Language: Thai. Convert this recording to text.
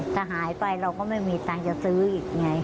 ถ้าหายไปเราก็ไม่มีตังค์จะซื้ออีกไง